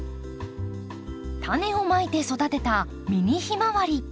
タネをまいて育てたミニヒマワリ。